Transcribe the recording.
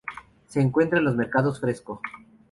Se encuentra en los mercados fresco.